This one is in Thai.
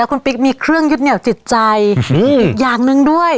คุณปิ๊กมีเครื่องยึดเหนียวจิตใจอีกอย่างหนึ่งด้วย